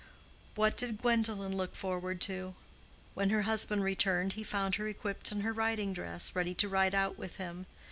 What did Gwendolen look forward to? When her husband returned he found her equipped in her riding dress, ready to ride out with him.